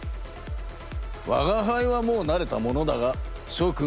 わがはいはもうなれたものだがしょくんはできるかな？